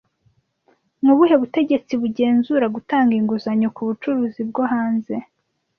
Ni ubuhe butegetsi bugenzura gutanga inguzanyo ku bucuruzi bwo hanze